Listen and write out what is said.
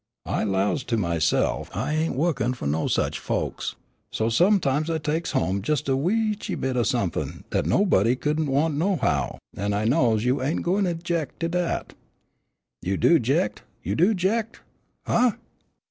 I 'lows to myse'f I ain't wo'kin' fu' no sich folks; so sometimes I teks home jes' a weenchy bit o' somep'n' dat nobody couldn't want nohow, an' I knows you ain't gwine 'ject to dat. You do 'ject, you do 'ject! Huh!